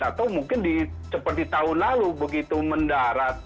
atau mungkin seperti tahun lalu begitu mendarat